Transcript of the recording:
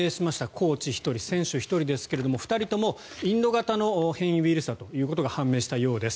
コーチ１人、選手１人ですが２人ともインド型の変異ウイルスだということが判明したようです。